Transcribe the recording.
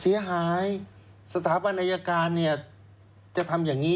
เสียหายสถาบันอายการเนี่ยจะทำอย่างนี้